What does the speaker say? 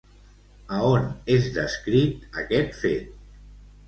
A on és descrit aquest fet?